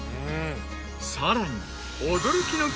さらに。